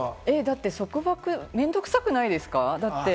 束縛、面倒くさくないですか？